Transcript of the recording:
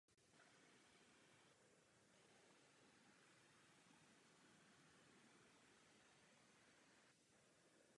Své domácí zápasy zde hrál tým Cagliari Calcio.